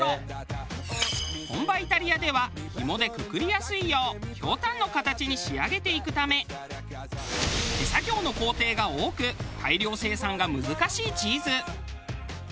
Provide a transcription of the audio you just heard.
本場イタリアではひもでくくりやすいようひょうたんの形に仕上げていくため手作業の工程が多く大量生産が難しいチーズ。